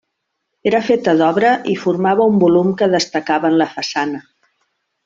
Era feta d'obra i formava un volum que destacava en la façana.